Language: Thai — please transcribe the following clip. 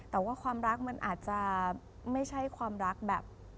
แต่ว่าความรักมันอาจจะไม่ใช่ความรักแบบ